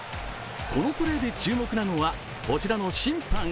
このプレーで注目なのはこちらの審判。